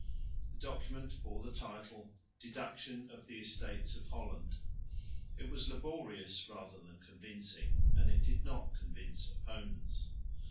The document bore the title "Deduction of the Estates of Holland." It was laborious rather than convincing, and it did not convince opponents.